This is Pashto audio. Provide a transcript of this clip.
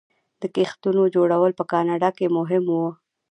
د کښتیو جوړول په کاناډا کې مهم و.